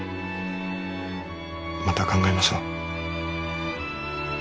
また考えましょう。